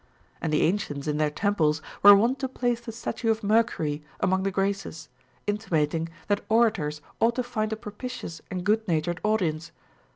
And the ancients in their tem ples were wont to place the statue of Mercury among tlie Graces, intimating that orators ought to find a propitious and good natured audience.